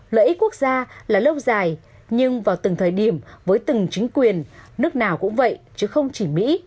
lợi ích quốc gia là lâu dài nhưng vào từng thời điểm với từng chính quyền nước nào cũng vậy chứ không chỉ mỹ